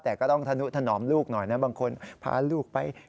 แต่ก็ต้องธนุถนอมลูกหน่อยนะบางคนพาลูกไป